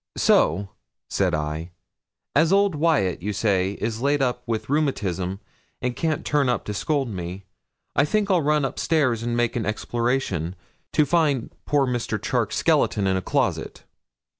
'So,' said I, 'as old Wyat, you say, is laid up with rheumatism, and can't turn up to scold me, I think I'll run up stairs and make an exploration, and find poor Mr. Charke's skeleton in a closet.'